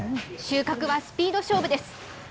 収穫はスピード勝負です。